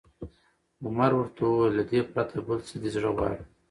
عمر ورته وویل: له دې پرته، بل څه دې زړه غواړي؟